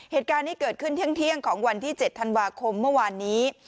เหตุการณ์นี้เกิดขึ้นเที่ยงของวันที่๗ธันวาคมเมื่อวานนี้